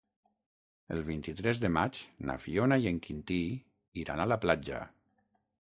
El vint-i-tres de maig na Fiona i en Quintí iran a la platja.